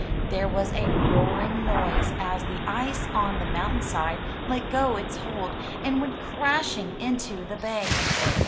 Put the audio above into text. There was a roaring noise as the ice on the mountain side let go its hold, and went crashing into the bay.